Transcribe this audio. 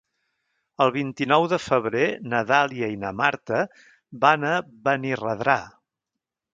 El vint-i-nou de febrer na Dàlia i na Marta van a Benirredrà.